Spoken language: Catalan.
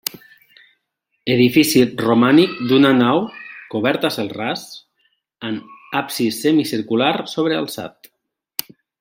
Edifici romànic d'una nau, coberta a cel ras, amb absis semicircular sobrealçat.